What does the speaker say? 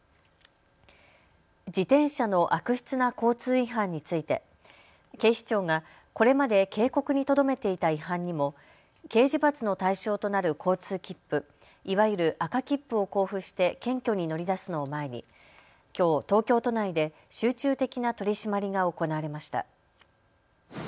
自転車の悪質な交通違反について警視庁がこれまで警告にとどめていた違反にも刑事罰の対象となる交通切符、いわゆる赤切符を交付して検挙に乗り出すのを前にきょう、東京都内で集中的な取締りが行われました。